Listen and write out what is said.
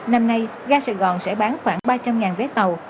năm nay ga sài gòn sẽ bán khoảng ba trăm linh vé tàu